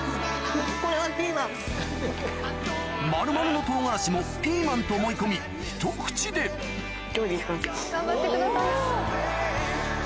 丸々の唐辛子もピーマンと思い込みひと口で頑張ってください。